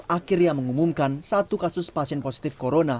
akhirnya mengumumkan satu kasus pasien positif corona